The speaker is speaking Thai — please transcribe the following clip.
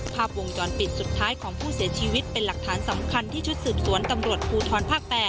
ภาพวงจรปิดสุดท้ายของผู้เสียชีวิตเป็นหลักฐานสำคัญที่ชุดสืบสวนตำรวจภูทรภาค๘